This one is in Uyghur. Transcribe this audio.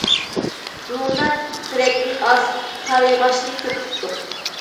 بۇنىڭدا تېرەكنى ئاز، قارىياغاچنى كۆپ تىكتۇق.